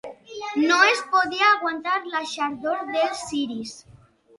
No es podia aguantar la xardor dels ciris.